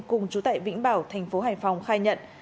cùng chú tại vĩnh bảo thành phố hải phòng khai nhận